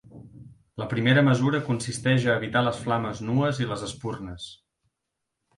La primera mesura consisteix a evitar les flames nues i les espurnes.